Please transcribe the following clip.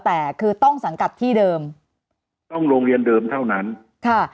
แต่คือต้องสังกัดที่เดิมต้องโรงเรียนเดิมเท่านั้นค่ะ